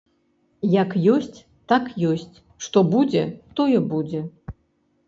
Як ёсць, так ёсць, што будзе, тое будзе.